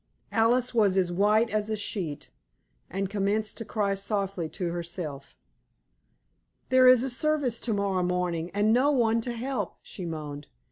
Alice was as white as a sheet, and commenced to cry softly to herself. "There is a service to morrow morning, and no one to help," she moaned.